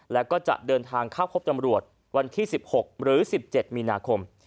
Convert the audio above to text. แล้วก็จะเดินทางเข้าพบจำรวจวันที่๑๖หรือ๑๗มีนาคม